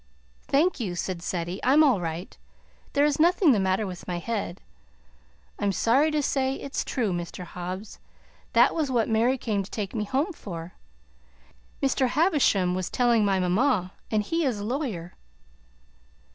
"Thank you," said Ceddie; "I'm all right. There is nothing the matter with my head. I'm sorry to say it's true, Mr. Hobbs. That was what Mary came to take me home for. Mr. Havisham was telling my mamma, and he is a lawyer."